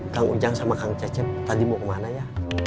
kang ujang sama kang cecep tadi mau kemana ya